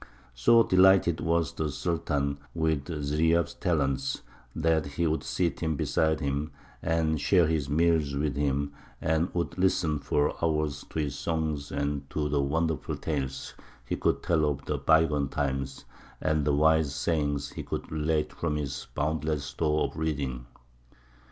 So delighted was the Sultan with Ziryāb's talents that he would seat him beside him, and share his meals with him, and would listen for hours to his songs and to the wonderful tales he could tell of bygone times, and the wise sayings he could relate from his boundless stores of reading.